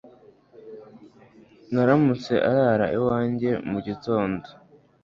Namuretse arara iwanjye mu gitondo